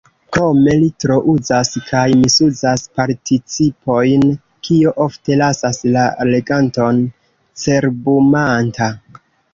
Krome, li trouzas kaj misuzas participojn, kio ofte lasas la leganton cerbumanta.